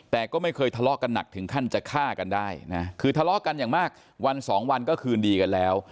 แต่ก็ไม่เคยทะเลาะกันหนักถึงขั้นจะฆ่ากันได้นะคือทะเลาะกันอย่างมากวันสองวันก็คืนดีกันแล้ว